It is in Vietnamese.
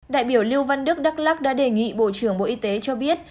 đại biểu lưu văn đức đắk lắc đã đề nghị bộ trưởng bộ y tế cho biết